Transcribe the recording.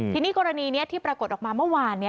ทีนี้กรณีนี้ที่ปรากฏออกมาเมื่อวาน